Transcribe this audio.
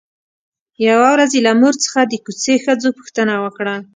يوه ورځ يې له مور څخه د کوڅې ښځو پوښتنه وکړه.